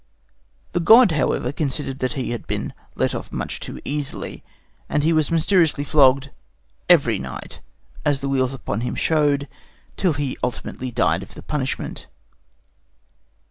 The god, however, considered that he had been let off much too easily; and he was mysteriously flogged every night, as the weals upon him showed, till he ultimately died of the punishment.